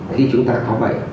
khi chúng ta có bệnh